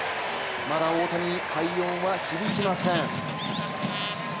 まだ大谷に快音は響きません。